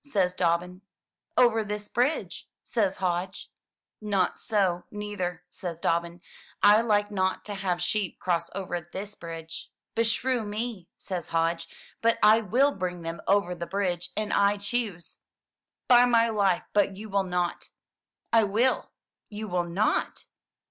says Dobbin. "Over this bridge, says Hodge. 83 M Y BOOK HOUSE ''Not SO, neither," says Dobbin. *'I like not to have sheep cross over this bridge." "Beshrew me!" says Hodge, ''but will bring them over the bridge an choose!" "By my life, but you will not!" "I will!" "You will not!"